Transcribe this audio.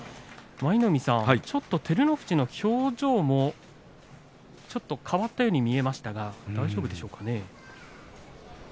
舞の海さん、照ノ富士の表情も変わったように見えましたが大丈夫でしょうか。